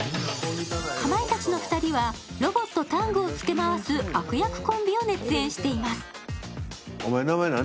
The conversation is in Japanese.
かまいたちの２人はロボット・ＴＡＮＧを付け回す悪役コンビを熱演しています。